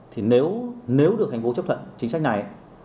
thì nếu được thành phố chấp thuận chính sách này